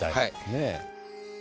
ねえ。